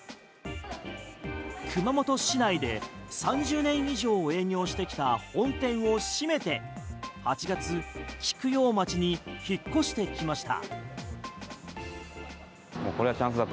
熊本市内で３０年以上営業してきた本店を閉めて８月、菊陽町に引っ越してきました。